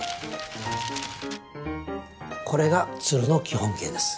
これが鶴の基本形です。